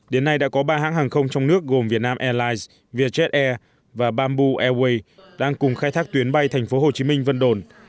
đến nay đã có ba hãng hàng không trong nước gồm việt nam airlines vietjet air và bamboo airways đang cùng khai thác tuyến bay tp hcm vân đồn